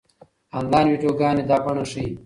انلاين ويډيوګانې دا بڼه ښيي.